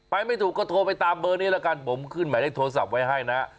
ไม่ถูกก็โทรไปตามเบอร์นี้แล้วกันผมขึ้นหมายเลขโทรศัพท์ไว้ให้นะ